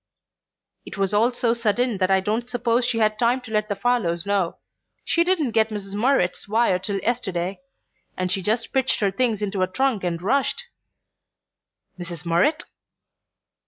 "It was all so sudden that I don't suppose she had time to let the Farlows know. She didn't get Mrs. Murrett's wire till yesterday, and she just pitched her things into a trunk and rushed " "Mrs. Murrett?"